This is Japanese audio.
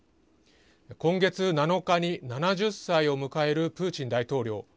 今月７日に７０歳を迎えるプーチン大統領。